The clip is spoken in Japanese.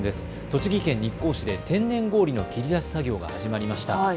栃木県日光市で天然氷の切り出し作業が始まりました。